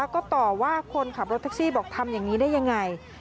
ก็ต่อว่าคนขับรถแท็กซี่บอกทำอย่างนี้ได้ยังไง